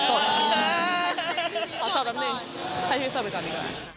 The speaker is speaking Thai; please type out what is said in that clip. โอ้โฮโอ้โฮสุดท้ายสุดท้ายโอ้โฮสุดท้ายสุดท้ายข้าไม่สุดเวลาเนี่ย